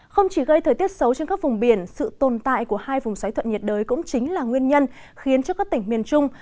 không chỉ gây thời tiết xấu trên các vùng biển sự tồn tại của hai vùng xoáy thuận nhiệt đới cũng chính là nguyên nhân khiến cho các tỉnh miền trung